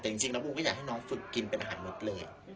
แต่จริงแล้วบูมก็อยากให้น้องฝึกกินเป็นอาหารมดเลย